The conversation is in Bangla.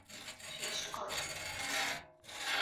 নামায শেষ কর।